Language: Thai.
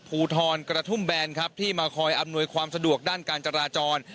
ภูทรกระทุ่มแบนครับที่มาคอยอำนวยความสะดวกด้านการจราจร